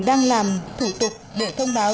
đang làm thủ tục để thông báo